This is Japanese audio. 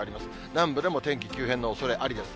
南部でも天気急変のおそれありです。